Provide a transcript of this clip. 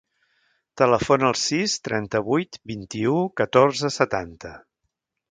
Telefona al sis, trenta-vuit, vint-i-u, catorze, setanta.